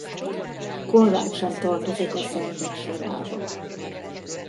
Konrád sem tartozik a szentek sorába.